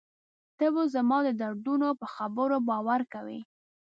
ته به زما د دردونو په خبرو باور کوې.